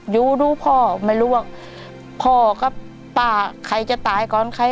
ดูดูพ่อไม่รู้ว่าพ่อกับป้าใครจะตายก่อนใคร